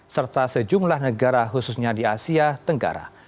serta sejumlah negara khususnya di asia tenggara